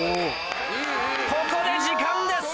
ここで時間です